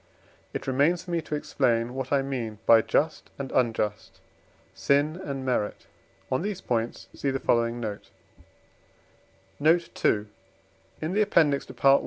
It remains for me to explain what I mean by just and unjust, sin and merit. On these points see the following note. Note II. In the Appendix to Part I.